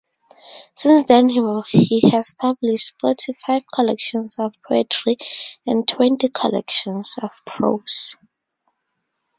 Since then he has published forty-five collections of poetry and twenty collections of prose.